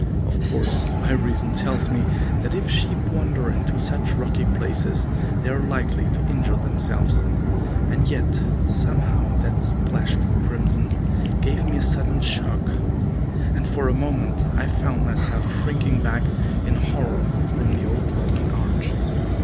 Of course, my reason tells me that if sheep wander into such rocky places they are likely to injure themselves, and yet somehow that splash of crimson gave me a sudden shock, and for a moment I found myself shrinking back in horror from the old Roman arch.